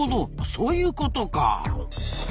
そういうことか！